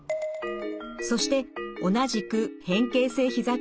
そして同じく変形性ひざ